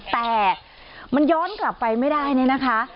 แต่มันย้อนกลับไปไม่ได้เนี่ยนะคะ